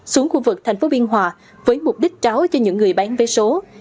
xuống khu vực thành phố biên hòa với mục đích tráo cho những người bán vé số